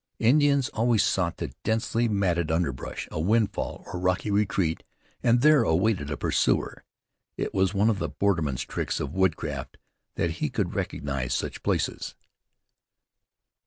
Indians always sought the densely matted underbrush, a windfall, or rocky retreat and there awaited a pursuer. It was one of the borderman's tricks of woodcraft that he could recognize such places.